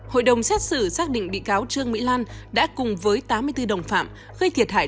hội đồng xét xử xác định bị cáo trương mỹ lan đã cùng với tám mươi bốn đồng phạm gây thiệt hại